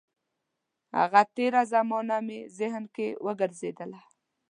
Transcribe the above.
هغه تېره زمانه مې ذهن کې وګرځېدله.